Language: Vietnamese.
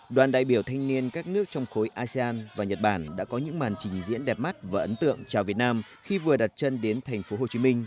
đoàn đại biểu thanh niên các nước trong khối asean và nhật bản đã có những màn trình diễn đẹp mắt và ấn tượng chào việt nam khi vừa đặt chân đến tp hcm